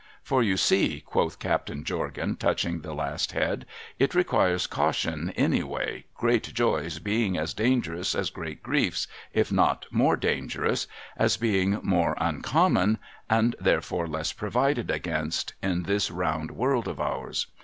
' For you see,' quoth Captain Jorgan, touching the last head, ' it requires caution any way, great joys being as dangerous as great griefs, if not more dangerous, as being more uncommon (and therefore less provided against) in this round world of ours.